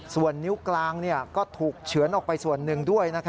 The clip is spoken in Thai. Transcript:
ส่วนนิ้วกลางก็ถูกเฉือนออกไปส่วนหนึ่งด้วย